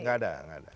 gak ada gak ada